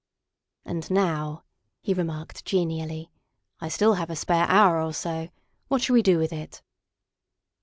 "And now," he remarked genially, " I have still a spare hour or so. What shall we do with it?"